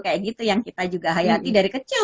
kayak gitu yang kita juga hayati dari kecil